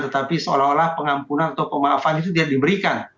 tetapi seolah olah pengampunan atau pemaafan itu tidak diberikan